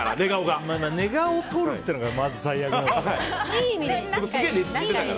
寝顔を撮るっていうのがまず最悪なんだよ。